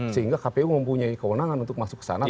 sehingga kpu mempunyai kewenangan untuk masuk ke sana